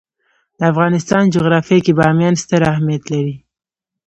د افغانستان جغرافیه کې بامیان ستر اهمیت لري.